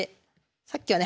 さっきはね